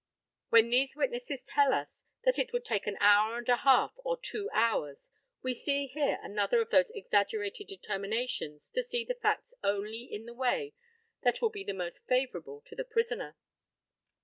When these witnesses tell us that it would take an hour and a half, or two hours, we see here another of those exaggerated determinations to see the facts only in the way that will be the most favourable to the prisoner.